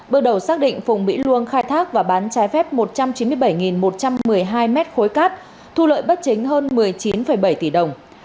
bước đầu xác định phùng mỹ luông khai thác và bán trái phép một trăm chín mươi bảy một trăm một mươi hai mét khối cát thu lợi bất chính hơn một mươi chín bảy tỷ đồng